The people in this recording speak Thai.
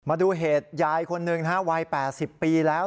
มาดูเหตุยายคนหนึ่งนะฮะวัย๘๐ปีแล้ว